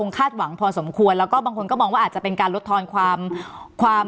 คาดหวังพอสมควรแล้วก็บางคนก็มองว่าอาจจะเป็นการลดทอนความความ